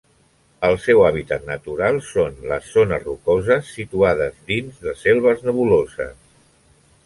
El seu hàbitat natural són les zones rocoses situades dins de selves nebuloses.